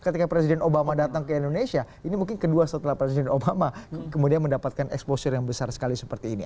ketika presiden obama datang ke indonesia ini mungkin kedua setelah presiden obama kemudian mendapatkan exposure yang besar sekali seperti ini